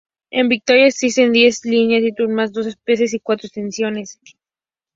En Vitoria existen diez líneas diurnas, dos especiales y cuatro extensiones.